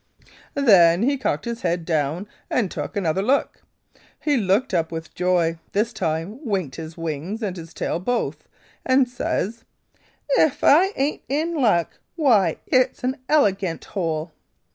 "Then he cocked his head down and took another look. He looked up with joy, this time winked his wings and his tail both, and says: 'If I ain't in luck! Why it's an elegant hole!'